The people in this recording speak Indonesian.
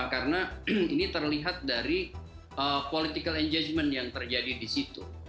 karena ini terlihat dari political engagement yang terjadi di situ